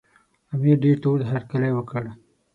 امیر ډېر تود هرکلی وکړ.